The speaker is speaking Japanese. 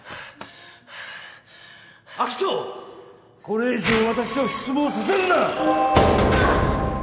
これ以上私を失望させるな！